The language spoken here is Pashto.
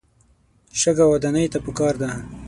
شګه ودانۍ ته پکار ده.